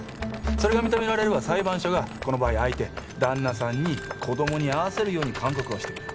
それが認められれば裁判所がこの場合相手旦那さんに子供に会わせるように勧告をしてくれる。